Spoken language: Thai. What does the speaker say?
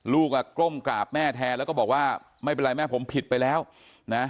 ลูกอ่ะก้มกราบแม่แทนแล้วก็บอกว่าไม่เป็นไรแม่ผมผิดไปแล้วนะ